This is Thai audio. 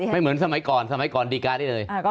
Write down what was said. เหมือนสมัยก่อนสมัยก่อนดีการ์ได้เลย